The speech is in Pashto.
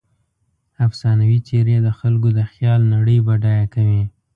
افسانوي څیرې د خلکو د خیال نړۍ بډایه کوي.